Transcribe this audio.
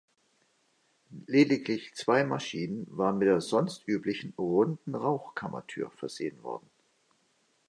Lediglich zwei Maschinen waren mit der sonst üblichen runden Rauchkammertür versehen worden.